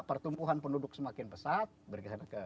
pertumbuhan penduduk semakin besar